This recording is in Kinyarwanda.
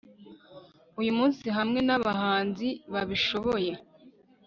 uyumunsi hamwe nabahanzi babishoboye